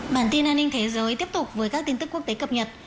bản tin an ninh thế giới tiếp tục với các tin tức quốc tế cập nhật